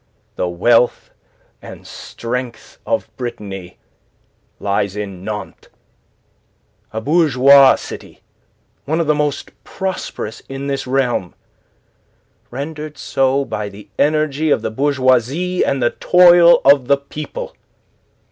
"The wealth and strength of Brittany lies in Nantes a bourgeois city, one of the most prosperous in this realm, rendered so by the energy of the bourgeoisie and the toil of the people.